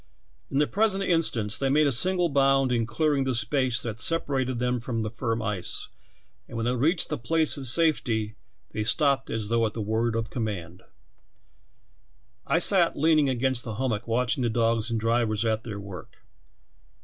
In the present instance they made a single bound in clearing the space that separated them from the firm ice, and when they reached a place of safety they stopped as though at the word of command. "I sat leaning against the hummock watching the dogs and drivers at their work.